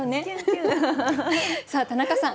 さあ田中さん